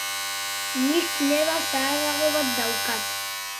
Nik neba zaharrago bat daukat